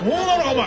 お前！